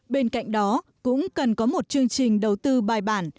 bên cạnh đó cũng cần có một chương trình đầu tư bài bản